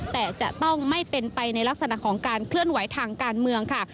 แต่จะต้องไม่เป็นไปในลักษณะของการเคลื่อนไหวทางการเมืองค่ะ